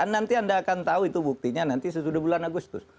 nanti anda akan tahu itu buktinya nanti sesudah bulan agustus